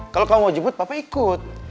kalau kamu mau jemput papa ikut